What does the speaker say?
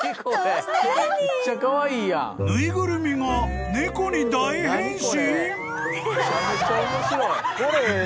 ［縫いぐるみが猫に大変身？］